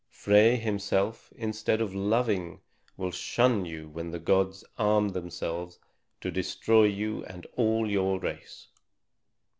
Frey himself, instead of loving, will shun you when the gods arm themselves to destroy you and all your race.